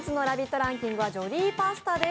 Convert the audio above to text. ランキングはジョリーパスタです。